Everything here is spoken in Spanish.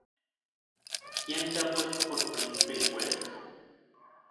¿Quién te ha puesto por príncipe y juez?